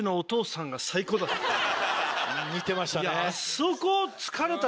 似てましたね。